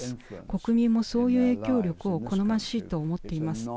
国民も、そういう影響力を好ましいと思っています。